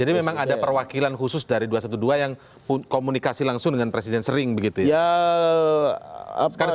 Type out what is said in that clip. memang ada perwakilan khusus dari dua ratus dua belas yang komunikasi langsung dengan presiden sering begitu ya